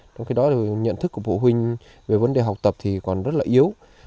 trong khi đó nhận thức của phụ huynh về vấn đề học tập thì còn rất là yếu